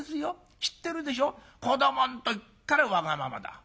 知ってるでしょ子どもの時からわがままだ」。